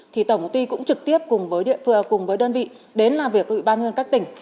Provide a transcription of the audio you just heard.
thì tổng công ty cũng trực tiếp cùng với đơn vị đến làm việc với ủy ban nhân dân các tỉnh